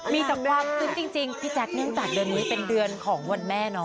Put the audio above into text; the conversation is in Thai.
มีสัมพันธ์จริงพี่แจ๊คเนี่ยงจัดเดินไว้เป็นเดือนของวันแม่เนอะ